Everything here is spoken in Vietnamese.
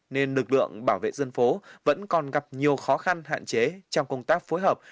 nên lực lượng bảo vệ dân phố vẫn còn gặp nhiều khó khăn hạn chế trong công tác phối hợp